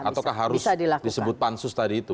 ataukah harus disebut pansus tadi itu